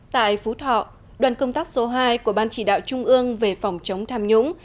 tại phú thọ đoàn công tác số hai của ban chỉ đạo trung ương về phòng chống tham nhũng